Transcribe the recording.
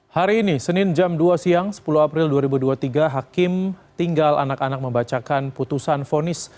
hari ini senin jam dua siang sepuluh april dua ribu dua puluh tiga hakim tinggal anak anak membacakan putusan fonis